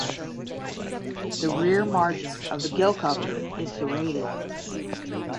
The rear margin of the gill cover is serrated.